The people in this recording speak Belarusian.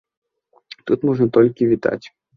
Тут можна толькі вітаць.